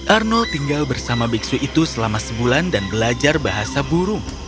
arnold tinggal bersama biksu itu selama sebulan dan belajar bahasa burung